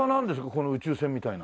この宇宙船みたいな。